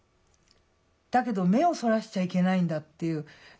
だけど目をそらしちゃいけないんだっていう。